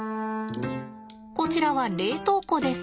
こちらは冷凍庫です。